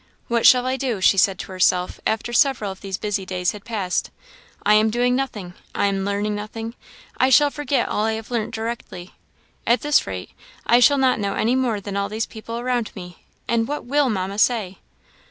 "What shall I do?" she said to herself, after several of these busy days had passed; "I am doing nothing I am learning nothing I shall forget all I have learnt directly. At this rate, I shall not know any more than all these people around me; and what will Mamma say?